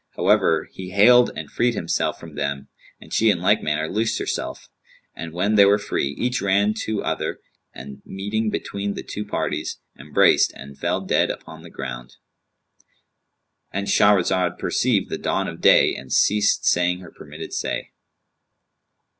However he haled and freed himself from them, and she in like manner loosed herself; and, when they were free, each ran to other and meeting between the two parties, embraced and fell dead upon the ground."—And Shahrazad perceived the dawn of day and ceased saying her permitted say.